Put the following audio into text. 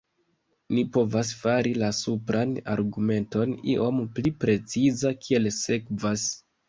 Ni povas fari la supran argumenton iom pli preciza kiel sekvas.